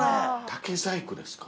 竹細工ですか。